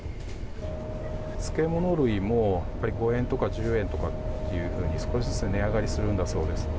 漬物類も５円とか１０円というふうに少しずつ値上がりするんだそうです。